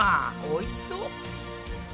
おいしそう。